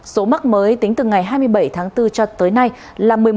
số mắc mới tính từ ngày hai mươi bảy tháng bốn cho tới nay là một mươi một chín trăm chín mươi năm ca